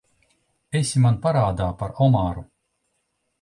Esi man parādā par omāru.